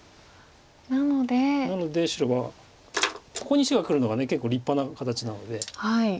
ここに石がくるのが結構立派な形なので。